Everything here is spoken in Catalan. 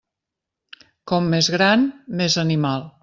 Com més gran, més animal.